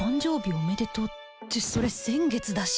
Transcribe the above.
おめでとうってそれ先月だし